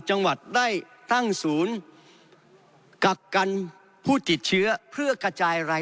จังหวัดได้ตั้งศูนย์กักกันผู้ติดเชื้อเพื่อกระจายราย